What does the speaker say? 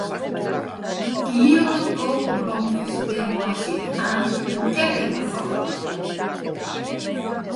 Giele koweblomkes, dêr meitsje ik aanst in ketting fan.